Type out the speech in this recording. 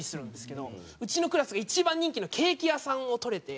うちのクラスが一番人気のケーキ屋さんを取れて。